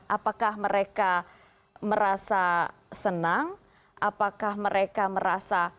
apakah mereka merasa senang apakah mereka merasa